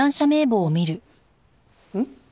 うん？